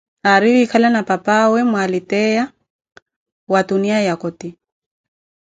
Ari wiikala na pipaawe mmwaaliteia wa tuniya ya koti.